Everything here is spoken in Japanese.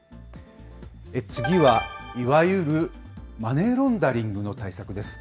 次は、いわゆるマネーロンダリングの対策です。